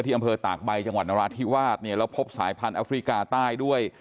อำเภอตากใบจังหวัดนราธิวาสเนี่ยแล้วพบสายพันธุ์แอฟริกาใต้ด้วย